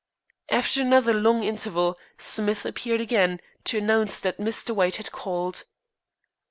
After another long interval Smith appeared again, to announce that Mr. White had called.